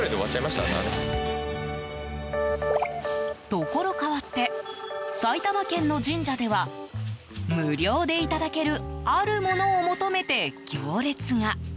ところ変わって埼玉県の神社では無料でいただけるあるものを求めて行列が。